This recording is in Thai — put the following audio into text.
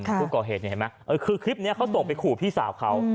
คุกก่อเหตุคือคลิปนี้เค้าส่งไปขู่พี่สาวเค้า